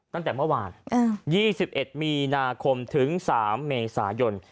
ตั้งแต่เมื่อวาน๒๑มีนาคมถึง๓เมษายน